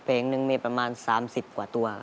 เพลงนึงมีประมาณ๓๐กว่าตัว